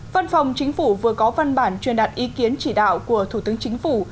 văn phòng chính phủ vừa có văn bản truyền đạt ý kiến chỉ đạo của thủ tướng chính phủ